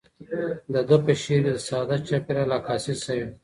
د ده په شعر کې د ساده چاپیریال عکاسي شوې.